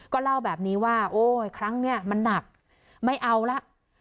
ก็เล่าแบบนี้ว่าโอ้ยครั้งนี้มันหนักไม่เอาละ